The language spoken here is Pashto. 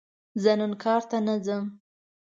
زه نن کار ته نه ځم!